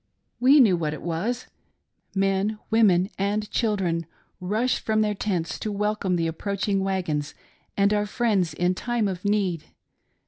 We knew what it was ! Men, women, and children rushed from their tents to welcome the approaching wagons and our friends in time of need.